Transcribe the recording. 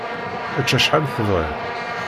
Ečč acḥal tebɣiḍ.